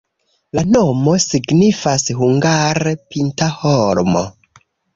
La nomo signifas hungare pinta-holmo.